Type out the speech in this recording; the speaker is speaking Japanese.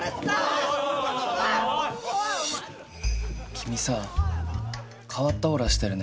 君さ変わったオーラしてるね。